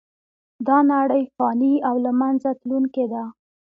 دا نړۍ فانې او له منځه تلونکې ده .